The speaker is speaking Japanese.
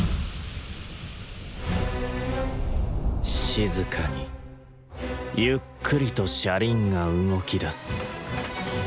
静かにゆっくりと車輪が動きだす。